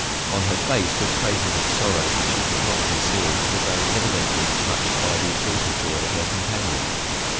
On her face were traces of sorrow which she could not conceal, although evidently touched by the exalted joy of her companion.